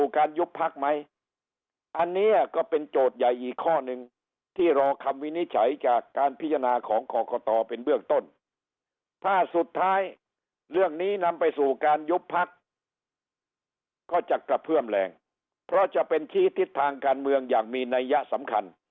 ยุบพักไหมอันนี้ก็เป็นโจทย์ใหญ่อีกข้อหนึ่งที่รอคำวินิจฉัยจากการพิจารณาของกรกตเป็นเบื้องต้นถ้าสุดท้ายเรื่องนี้นำไปสู่การยุบพักก็จะกระเพื่อมแรงเพราะจะเป็นชี้ทิศทางการเมืองอย่างมีนัยยะสำคัญ